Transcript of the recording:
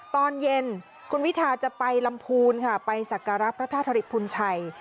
ตอนเย็นคุณวิทาจะไปลำพูนค่ะไปสักการะพระธาตุธริตพุนชัย